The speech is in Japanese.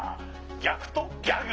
ギャクとギャグ。